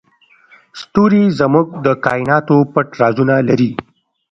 ستوري زموږ د کایناتو پټ رازونه لري.